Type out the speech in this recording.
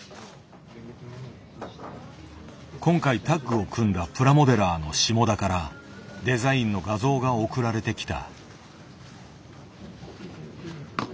今回タッグを組んだプラモデラーの下田からデザインの画像が送られてきた。